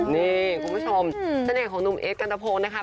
นี่คุณผู้ชมชนิดหน่อยของหนุ่มเอ็ดกัลตะโพกนะคะ